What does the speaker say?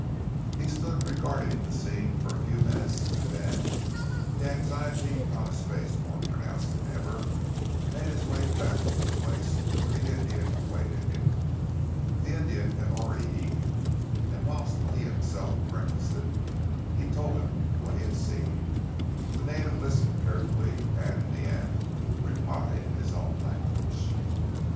He stood regarding the scene for a few minutes and then, the anxiety on his face more pronounced than ever, made his way back to the place where the Indian awaited him. The Indian had already eaten, and whilst he himself breakfasted he told him what he had seen. The native listened carefully, and in the end replied in his own language.